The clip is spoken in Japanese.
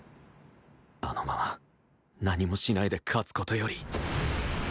あのまま何もしないで勝つ事より